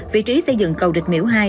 vị trí xây dựng cầu rạch miễu hai